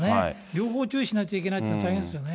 両方注意しなきゃいけないというのは大変ですよね。